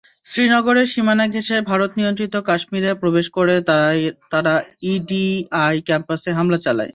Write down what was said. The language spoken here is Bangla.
শ্রীনগরের সীমানা ঘেঁষে ভারতনিয়ন্ত্রিত কাশ্মীরে প্রবেশ করে তারা ইডিআই ক্যাম্পাসে হামলা চালায়।